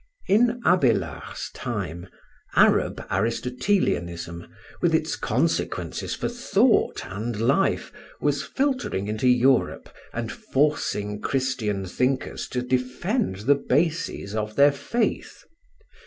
In Abélard's time Arab Aristotelianism, with its consequences for thought and life, was filtering into Europe and forcing Christian thinkers to defend the bases of their faith.